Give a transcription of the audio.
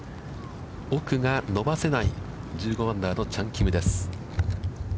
奥が伸ばせない１５アンダーのチャン・キムです。